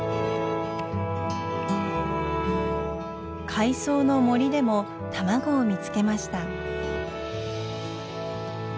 海藻の森でも卵を見つけました。